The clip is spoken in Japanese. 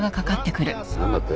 何だって？